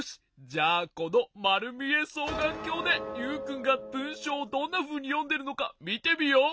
じゃあこのまるみえそうがんきょうでユウくんがぶんしょうをどんなふうによんでるのかみてみよう。